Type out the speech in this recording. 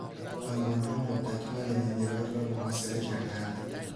آلمانها مدتها لنینگراد را محاصره کردند.